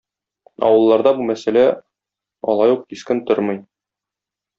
Авылларда бу мәсьәлә алай ук кискен тормый.